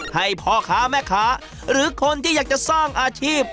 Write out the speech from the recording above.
ให้พ่อค้าแม่ค้าหรือคนที่อยากจะสร้างอาชีพ